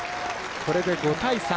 これで５対３。